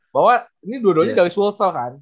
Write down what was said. bahwa ini dua duanya dari sulsel kan